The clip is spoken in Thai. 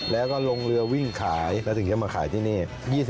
แล้วก็ลงเรือวิ่งขายแล้วถึงจะมาขายที่นี่